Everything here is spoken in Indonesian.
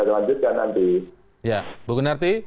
biar saya lanjutkan nanti